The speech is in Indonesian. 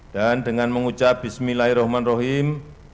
dan dengan mengucap bismillahirrahmanirrahim